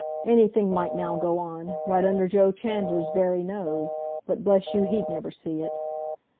Anything might now go on, right under Joe Chandler's very nose—but, bless you, he'd never see it!